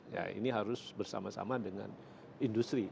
ya ini harus bersama sama dengan industri